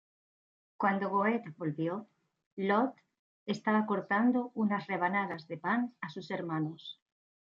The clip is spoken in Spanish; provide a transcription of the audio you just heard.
Cuando Goethe volvió, Lotte estaba cortando unas rebanadas de pan a sus hermanos.